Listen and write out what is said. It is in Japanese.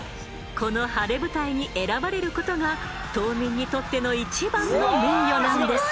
この晴れ舞台に選ばれる事が島民にとってのいちばんの名誉なんです。